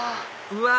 うわ！